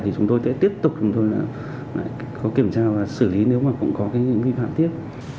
thì chúng tôi sẽ tiếp tục kiểm tra và xử lý nếu mà cũng có nghi phạm tiếp